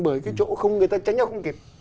bởi cái chỗ người ta tránh nhau không kịp